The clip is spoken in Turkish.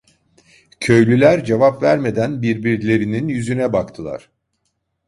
Köylüler cevap vermeden birbirlerinin yüzüne baktılar.